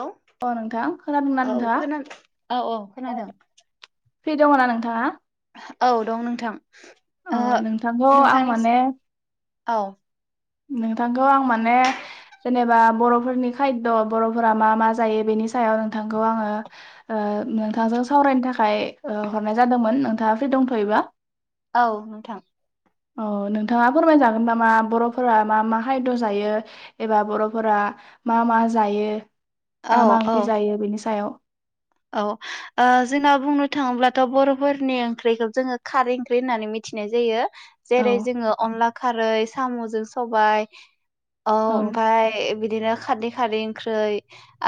हेल' अ नोंथां खोनादोंना औ नोंथाङा? खोन औ औ खोनादों। फ्रि दङ'ना नोंथाङा। औ दं नोंथां। अ ओ नोंथांखौ आं नोंथांनि माने। औ। नोंथांखौ आं माने जेनेबा बर'फोरनि खायद' बर'फोरा मा मा जायो बेनि सायाव नोंथांखौ आङो ओ नोंथांजों सावरायनो थाखाय ओ हरनाय जादोंमोन नोंथाङा फ्रि दंथ'योबा। औ नोंथां। अ नोंथाङा फोरमायजागोन नामा बर' फोरा मा मा खायद' जायो एबा बर'फोरा मा मा जायो। औ मा मा औ ओंख्रि जायो बेनि सायाव। औ ओ जोंना बुंनो थाङोब्लाथ' बर'फोरनि ओंख्रिखौ जोङो खारै ओंख्रि होननानै मिथिनाय जायो। औ जेरै जोङो अनला खारै साम'जों सबाय ओ औ ओमफाय बिद दिनो खारदै खारदै ओंख्रै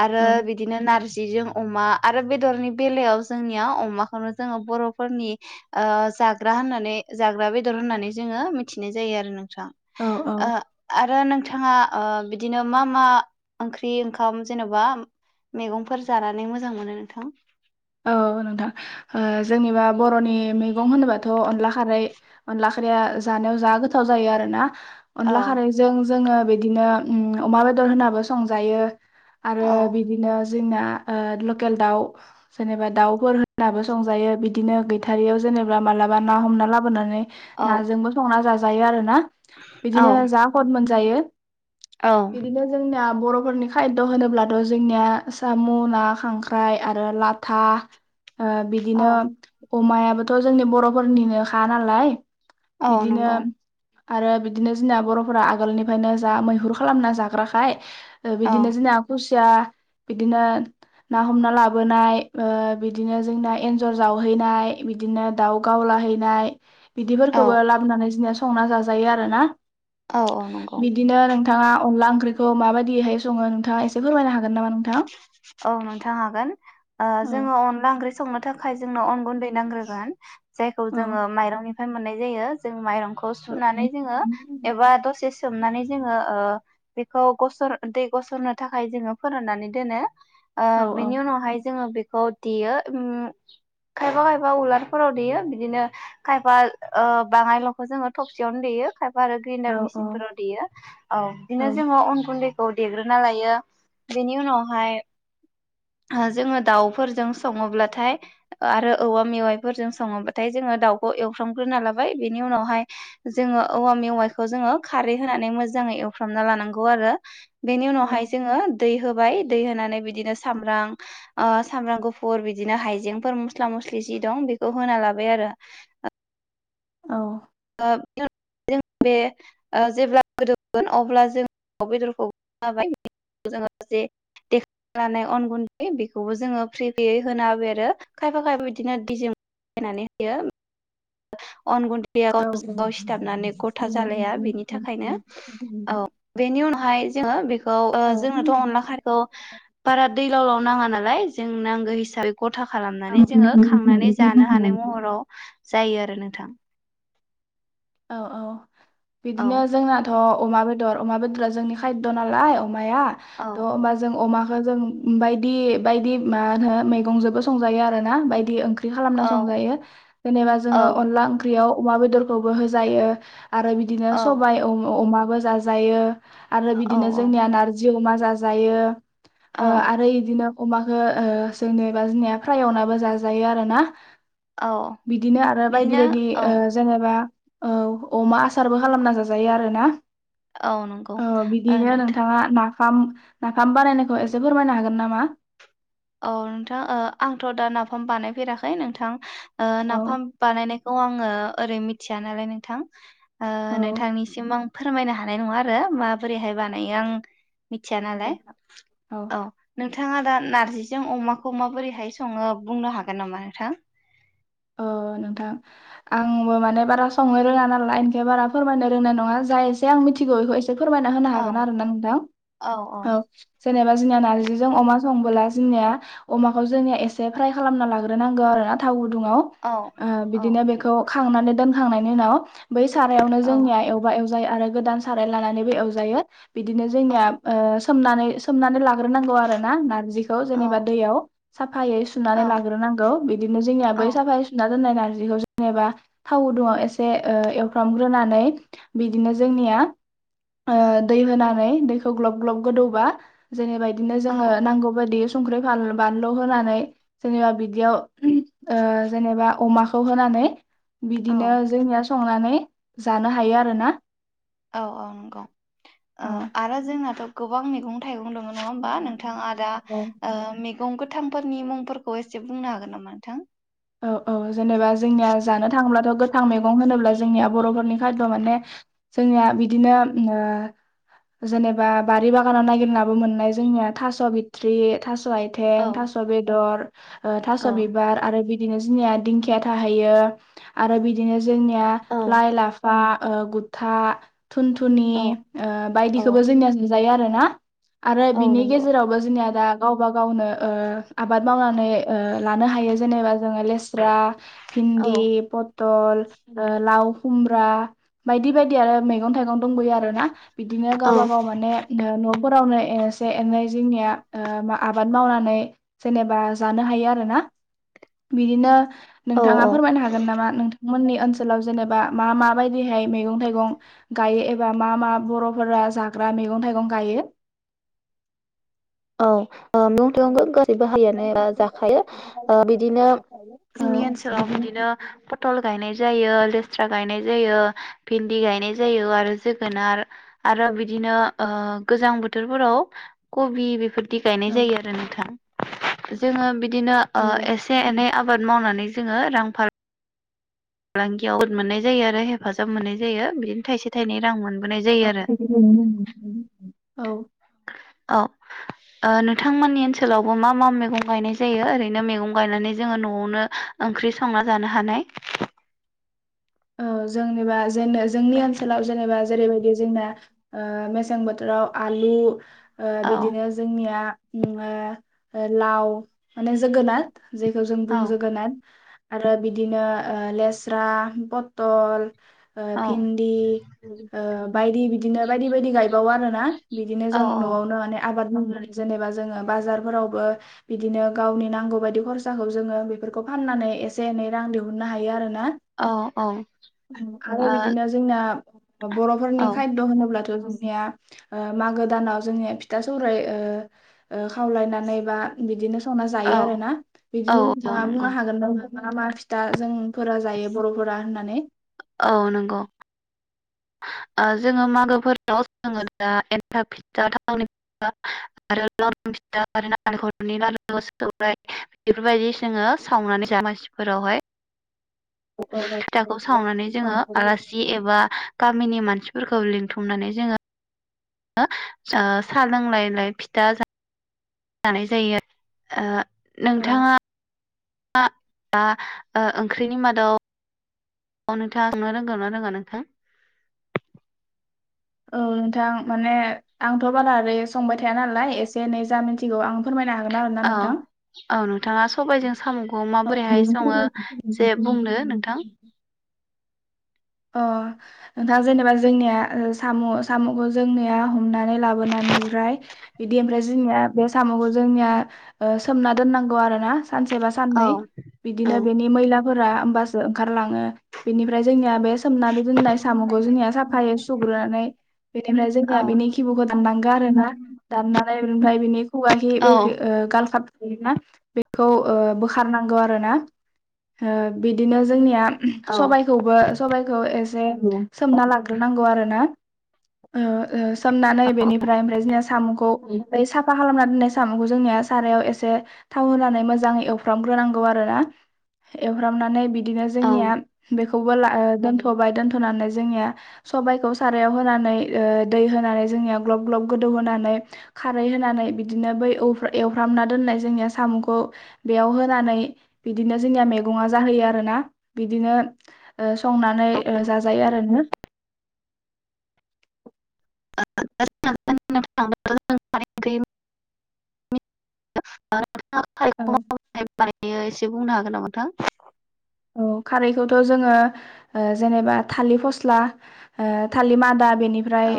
आरो औ बिदिनो नारज जिजों अमा आरो बेदरनि बेलायाव जोंनिया अमाखौनो जोङो बर'फोरनि ओ जाग्रा होननानै जाग्रा बेदर होननानै जोङो मिथिनाय जायो आरो नों थां औ औ ओ आरो नों थाङा ओ बिदिनो मा मा ओंख्रि ओंखाम जेन'बा मैगंफोर जानानै मोजां मोनो नोंथां औ नोंथां ओ जोंनिबा बर'नि मैगं होनोबाथ' अनला खारै अनला खारैया जानायाव जा गोथाव जायो आरोना औ अनला खारैजों जोङो बिदिनो उम अमा बेदर होननाबो संजायो आरो औ बिदिनो ज जोंना ओ लकेल दाउ जेनेबा दाउफोर होननाबो संजायो बिदिनो गैथारियाव जेनेबा मालाबा ना हमना लाबोनानै औ नाजोंबो संना जाज जायो आरो ना औ बिदिनो जा ख'थ मोनथ जायो औ बिदिनो जोंनिया बर' फोरनि खायद' होनोब्लाथ' जोंनिया साम' ना खांख्राइ आरो लाथ था ओ औ बिदिनो अमायाबोथ' जोंनि बर'फोरनिनो खा नालाय औ बिदिनो नंगौ आरो बिदिनो जोंना बर'फोरा आगोलनिफायनो जा मैहुर खालामना जाग्राखाय ओ औ बिदिनो जोंना खुस सिया बिदिनो ना हमना लाबोनाय ओ बिदिनो जोंना एन्जर जावहैनाय बिदिनो दाउ गावलाहैनाय औ बिदिफोरखौबो लाबोनानै जोंनिया स संना जाजायो आरो ना औ औ नंगौ थाङा अनला ओंख्रिखौ माबायदिहाय सङो नोंथाङा एसे फोरमायनो हागोन नामा नोंथां औ नोंथां हागोन ओ औ जोङो अनला ओंख्रि संनो फाय जोंनाव अन गुन्दै नांग्रोगोन जायखौ औ जोङो माइरंनिफ्राय मोननाय जायो जों माइरं खौ सुनानै जोङो एबा दसे सोमनानै जोङो ओ बेखौ गसर दै गसरनो थाखाय जोङो फोराननानै दोनो ओ औ औ बेनि उनावहाय जोङो बे खौ देयो उम खायफा-खायफा उलारफोराव देयो बिदिनो खायफा ओ बाङायल'खौ जोङो थबसियावनो देयो खायफा आरो औ ग्रेण्डार मेसिनफोराव देयो औ बिदिनो जोङो अन गुन्दै खौ देग्रोना लायो बेनि उनावहाय ओ जोङो दाउफोरजों सङोब्लाथाय आरो औवा मेवाइफोरजों सङोब्लाथाय जोङो दाउखौ एवफ्रामग्रोना लाबाय बेनि उनावहाय जोङो औवा मेवाइखौ जोङो खारै होनानै मोजाङै एवफ्रामना लानांगौ आरो बेनि औ उनावहाय जोङो दै होबाय दै होनानै बिदिनो सामब्रां ओ सामब्राम गुफुर बिदिनो हाइजेंफोर मस्ला मस्लि जि दं बेखौ होना लाबाय आरो औ बेनि उनाव जों बे ओ जेब्ला गोदौगोन अब्ला जों बेदरखौ होबाय [unintelligible] जोङो जे देग्लिनानै अन गुन्दै बेखौबो जोंङो फ्रियै होना होबाय आरो खायफा खायफा बिदिनच दिजों गलायनानै होयो अन गुन बेयाव औ गावजों गाव सिथाबनानै ग'था जालाया बेनि थाखायनो औ बेनि उनावहाय जोङो बे खौ ओ जोंनोथ' अनला खारखौ बारा दैलाव लाव नाङा नालाय जों नांगो हिसाब ग'था खालामनानै जोङो खांनानै जानो हानाय महराव जायो आरो नोंथां औ औ औ बिदिनो जोंनाथ' अमा बेदर अमा बेदरा जोंनि खायद' नालाय अमाया औ थ' होमबा जों अमा जों बायदि-बायदि मा होनो मैगंजोंबो संजायो आरो ना बायदि ओंख्रि बिदि खालामना औ संजायो जेनेबा औ जोङो अनला ओंख्रियाव अमा बेदरखौ बो होजायो आरो बिदिनो सबाय अ अमा बो जाजायो आरो औ बिदिनो जोंनिया नारजि अमा जाजायो औ ओ आरो इदिनो अमाखो ओ जेनेबा जोंनिया फ्राय एवनाबो जाजायो आरोना औ । बिदिनो आरो बिदिनो बायदि-बायदि औ ओ जेनेबा औ अमा आसारबो खालामना जाजायो आरोना । औ नंगौ औ ओ बिदिनो नोंथां नोंथाङा ना फाम नाफाम बानायनायखौ एसे फोरमायनो हागोन नामा? औ नोंथां ओ आंथ' दा नाफाम बानायफेराखै नोंथां ओ औ नाफाम बानायनाय खौ आङो ओरै मिथिया नालाय नोंथां ओ औ नोंथांनिसिम आं फोरमायनो हानाय नङा आरो माबोरैहाय बानायो आं मिथिया नालाय । औ नों थाङा दा नारजि जों अमाखौ माबोरैहाय सङो बुंनो हागोन नामा नोंथां? अ नोंथां आंबो माने बारा संनो रोङा नालाय बेनिखायनो बारा फोरमायनो रोंनाय नङा जाय एसे आं मिथिगौ बेखौ एसे से फोरमायना होनो औ हागोन आरो ना नोंथां । औ जेनेबा जोंनिया नारजिजों अमा संबोला जोंनिया अमाखौ जोंनिया एसे फ्राय खालामना लाग्रोनांगौ आरो ना थाव गुदुङाव ओ औ औ बिदिनो बेखौ खांनानै दोनखांनायनि उनाव बै सारायावनो औ जोंनिया एवबा एवजायो आरो गोदान साराइ लानानैबो एवजायो । बिदिनो औ जोंनिया ओ सोमनानै सोमनानै ला ग्रोनांगौ आरो ना नारजिखौ औ जेनेबा दैयाव साब फायै औ सुनानै लाग्रोनांगौ बिदिनो जोंनियाबो सुना दोननाय नारजिखौ जेनेबा थाव गुदुङाव एसे ओ एवफ्रामग्रोनानै बिदिनो जोंनिया ओ दै होनानै दैखौ ग्लब ग्लब गोदौबा जेनेबा बिदिनो औ जोङो नांगौ बायदि संख्रि फान बानलु होनानै जेनेबा बिदियाव ओ जेनेबा अमाखौ होनानै बिदिनो औ जोंनिया संनानै जानो हायो आरो ना । औ औ नंगौ ओ औ आरो जोंनाथ' गो बां मैगं थाइगं नङा होमबा नों थाङा दा ओ मे दं गोथांफोरनि मुंफोरखौ एसे बुंनो हागोन नामा नोंथां? औ औ जेनेबा जोंनिया जानो थाङोब्लाथ' गोथां मैगं होनोब्ला जोंनिया बर'फोरनि खाद' माने जोंनिया बिदिनो जेनेबा बारि बागानाव नागिरनाबो मोननाय जोंनिया थास', बिथ्रि थास' औ आइथें, थास' बेदर, थास' औ बिबार आरो बिदिनो जोंनिया दिंखिया थाहैयो आरो बिदिनो जोंनिया औ लाइ लाफा गुथा थुनथुनि औ ओ औ बायदिखोबो जोंनिया जायो आरोना । आरो औ बिनि नंगौ गेजेरावबो जोंनिया दा गावबा गावनो ओ आबाद मावनानै ओ लानो हायो जेनेबा जोङो लेस्रा औ भिन्दि पत दल लाव, खुमब्रा बायदि बायदि आरो मैगं थाइगं दंबोयो आरोना बिदिनो औ गावबा गाव माने न'फोरावनो एसे एनै जोंनिया ओ आबाद मावनानै जेनेबा जानो हायो आरो ना बिदिनो नोंथाङा औ फोरमायनो हागोन नामा नोंथां? मोननि ओनसोलाव जेनेबा मा मा बायदिहाय मैगं थाइगं गायो एबा मा मा बर'फोरा जाग्रा मैगं थाइगं गायो । औ । मैगं थाइगंखौ गासैबोहायानो जाखायो बिदिनो जोंनि ओनसोलाव बिदिनो पटल गायनाय जायो लेस्रा गायनाय जायो भिन्दि गायनाय जायो आरो जोगोनार आरो बिदिनो ओ गोजां बोथोरफोराव कबि बि गायनाय जायो आरो नोंथां । जोङो बिद दिनो ओ एसे एनै आबाद मावनानै जोङो रां फार फालांगियाव मोननाय जायो आरो हेफाजाब मोननाय जायो बिदिनो थाइसे थाइनै रां मोन [unintelligible] औ । औ ओ नोंथांमोननि ओनसोलावबो मा मा मैगं गायनाय जायो ओरैनो मेगं गायनानै जोङो न'आवनो ओंख्रि संना जानो हानाय औ जोंनिबा जेनो जोंनि ओनसोलाव जेनेबा जेरैबायदि जोंना ओ मेसें बोथोराव आलु ओ औ बिदिनो जोंनिया ना लाव, माने जोगोनाथ जेखौ जों औ बुङो जोगोनाथ आरो बिदिनो ओ लेस्रा पतल ओ औ भिन्दि ओ बायदि बिदिनो बायदि बायदि गायबावो आरो ना। बिदिनो औ जों न'आवनो माने आबाद बुंनानै जेनेबा जोङो बाजारफोरावबो बिदिनो गावनि नांगौ बायदि खरसाखौ जोङो बेफोरखौ फाननानै एसे एनै रां दिहुननो हायो आरोना। औ औ। ओ आरो बिदिनो जोंना बर'फोरनि औ खाद्य' होनोब्लाथ' स जोंनिया ओ मागो दानाव जोंनिया फिथा सौराय ओ ओ खावलायनानै बा बिदिनो संना औ जायो आरो ना औ बिदिनो नोंथाङा नंगौ बुंनो हागोन। मा मा फिथा जोंफोरा जायो बर'फोरा होनना नानै। औ नंगौ। जोङो मागोफोराव जोङो दा एन्थाब फिथा थावनि फिथा आरो लारू फिथा आरो नारेंखरनि लारु सौराय बेफोरबायदि जोङो सावनानै दमासिफोरावहाय औ फिथाखौ सावनानै औ जोङो आलासि एबा गाब गामिनि मानसिफोरखौ लिंथुमनानै जोङो साहा लोंलाय लाय फिथा जानाय जायो ओ। नोंथाङा दा [unintelligible] ओंख्रिनि मादाव औ नोंथांंआ संनो रोंगौ ना रोङा नोंथां? औ नोंथां माने आंथ' बारा ओरै संबाय थाया नालाय एसे एनै जा मिन्थिगौ आं फोरमायनो हागोन आरोना औ नोंथां औ नोंथाङा सबायजों साम'खौ माबोरैहाय सङो एसे बुंदो नोंथां। अ नोंथाङा जेनेबा जोंनिया साम' साम'खौ जोंनिया हम नानै लाबोनानै ओमफ्राय बिदि जोंनिया बे साम'खौ जोंनिया ओ सोमना दोननांगौ आरो ना। सानसे बा औ साननै औ बिदिनो बेनि मैला फोरा होमबासो ओंखारलाङो बेनिफ्राय जोंनिया बेस सोमनानै दोननाय साम'खौ जोंनिया साफायै सुग्रोनानै बेनिफ्राय जोंनिया बिनि खिबु'खौ दाननांगौ आरो ना दाननानै बेनिफ्राय बिनि हुआहि औ बैखो गालखाब योना बेखौ ओ बोखारनांगौ आरोना ओ बिदिनो जोंनिया औ सबायखौबो सबाइखौ एसे सोमना लाग्रोनांगौ आरो ना ओ ओ सोमनानै बेनिफ्राय ओमफ्राय जोंनो साम'खौ मफ्राय साफा खालामना दोननाय साम'खौ जोंनिया सारायाव एसे थाव होनानै मोजाङै एवफ्रामग्रोनांगौ आरो ना एवफ्रामनानै बिदि बिदिनो औ जोंनिया बे खौबोलाओ दोनथ'बाय दोनथ'नानै जोंनिया सबायाइखौ सारायाव होनानै ओ दै होनानै जोंनिया ग्लब ग्लब गोदौहोनानै खारै होनानै बिदिनो बै एवफ्रामना दोननाय जोंनिया साम'खौ बेयाव होनानै बिदिनो जोंनिया मैगङा जाहोयो आरोना बिदिनो ओ संनानै औ ओ जाजायो आरो ना। [unintelligible] [unintelligible] एसे बुंनो औ हागोन नामा नोंथां औ खारैखौथ जोङो जेनेबा थालिर फस्ला थालिर मादा बेनिफ्राय औ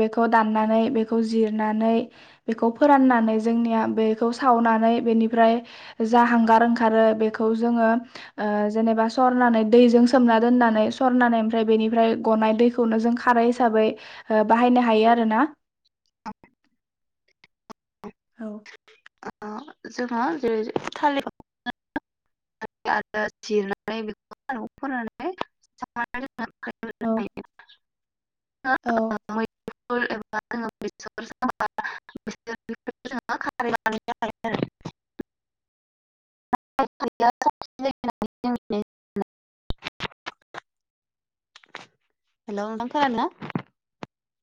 बेखौ दान मोननानै बेखौ जिरनानै बेखौ फोराननानै जोंनिया बेखौ सावनानै बेनिफ्राय जा हांगार ओंखारो बेखौ जोङो ओ जेनेबा सरनानै दैजों सोमना दोननानै सरनानै ओमफ्राय बेनिफ्राय गनाय दैखौनो जों खारै हिसाबै बाहायनो हायो आरो ना अ [unintelligible] औ ओ जोङो जेरै थालिर [unintelligible] जिरनानै बेखौ फोरनानै [unintelligible] [inaudible] औ बेसर एबा बेसर साबा जोङो बेखौ खारै बानायनो हायो आरो [unintelligible] [inaudible] हेल' नोंथां खोनादों ना